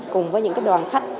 cùng với những đoàn khách